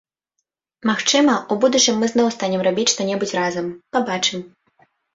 Магчыма, у будучым мы зноў станем рабіць што-небудзь разам, пабачым.